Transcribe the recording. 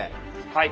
はい。